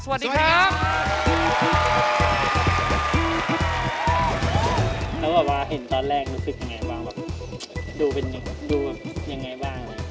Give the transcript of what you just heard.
สวัสดีครับ